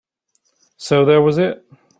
So that was it.